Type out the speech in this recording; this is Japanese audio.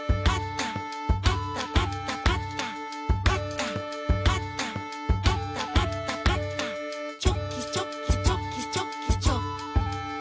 「パタパタパタパタパタ」「チョキチョキチョキチョキチョキ」